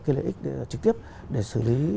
cái lợi ích trực tiếp để xử lý